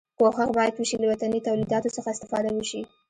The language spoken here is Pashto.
کوښښ باید وشي له وطني تولیداتو څخه استفاده وشي.